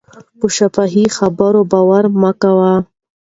په شفاهي خبرو باور مه کوئ.